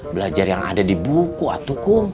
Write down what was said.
belajar yang ada di buku ataukum